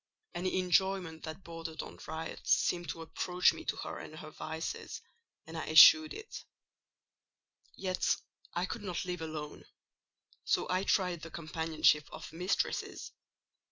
Any enjoyment that bordered on riot seemed to approach me to her and her vices, and I eschewed it. "Yet I could not live alone; so I tried the companionship of mistresses.